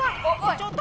ちょっと。